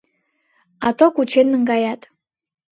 — Ато кучен наҥгаят.